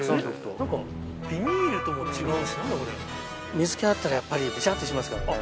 水気あったらやっぱりベチャってしますからね。